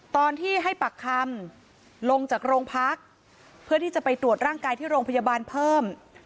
ตอนที่ให้ปากคำลงจากโรงพักเพื่อที่จะไปตรวจร่างกายที่โรงพยาบาลเพิ่ม